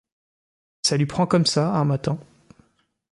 Ça lui prend comme ça, un matin.